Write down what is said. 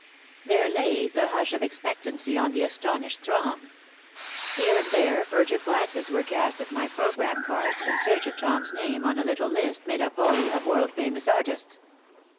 There lay the hush of expectancy on the astonished throng. Here and there furtive glances were cast at my program cards in search of Tom's name on a little list made up wholly of world famous artists.